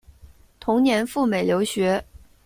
同年赴美留学。